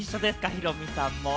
ヒロミさんも。